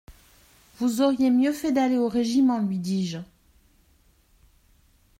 Vous auriez mieux fait d'aller au régiment, lui dis-je.